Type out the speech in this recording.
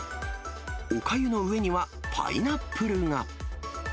おかゆの上にはパイナップルが。